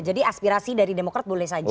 jadi aspirasi dari demokrat boleh saja